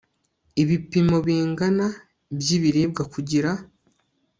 ibipimo bingana by'ibiribwa kugira